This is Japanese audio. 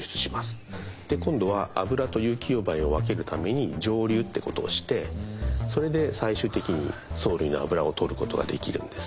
今度はアブラと有機溶媒を分けるために蒸留ってことをしてそれで最終的に藻類のアブラをとることができるんです。